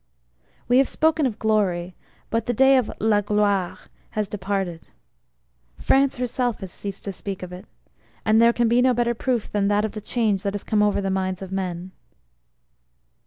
We have spoken of `glory,' but the day of ` la gloire ' has departed. France herself has ceased to speak of it and there can be no better proof than that, of the change that has come over the minds of men